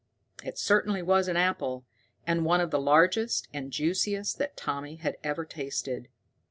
It certainly was an apple, and one of the largest and juiciest that Tommy had ever tasted.